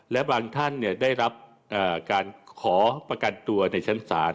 และบางท่านได้รับการขอประกันตัวในชั้นศาล